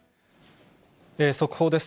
速報です。